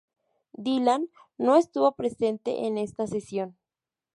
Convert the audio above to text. Dylan no estuvo presente en esta sesión.